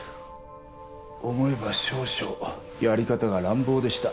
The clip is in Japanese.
思えば少々やり方が乱暴でした